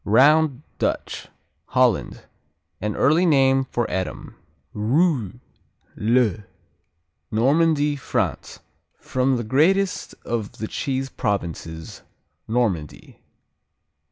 Round Dutch Holland An early name for Edam. Rouy, le Normandy, France From the greatest of the cheese provinces, Normandy.